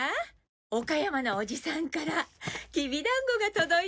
岡山のおじさんからきび団子が届いたわよ。